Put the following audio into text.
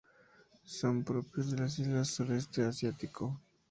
Son propios de las islas del Sureste Asiático.